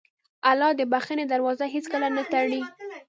الله د بښنې دروازه هېڅکله نه تړي.